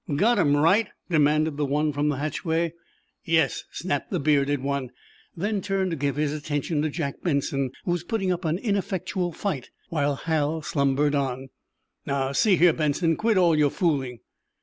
"Got 'em right?" demanded the one from the hatchway. "Yes," snapped the bearded one, then turned to give his attention to Jack Benson, who was putting up an ineffectual fight while Hal slumbered on. "Now, see here, Benson, quit all your fooling!"